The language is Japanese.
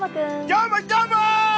どーも、どーも！